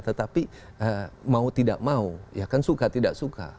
tetapi mau tidak mau ya kan suka tidak suka